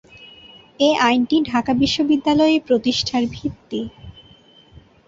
এ আইনটি ঢাকা বিশ্ববিদ্যালয়ের প্রতিষ্ঠার ভিত্তি।